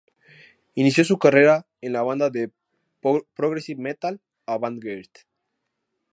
Inició su carrera en la banda de "progressive metal" Avant Garde.